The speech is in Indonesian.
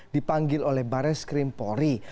dipanggil oleh barreskrim polri